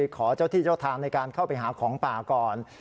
ขอเจ้าที่เจ้าทางในการเข้าไปหาของป่าก่อน